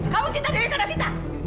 kamu cinta dewi karena sita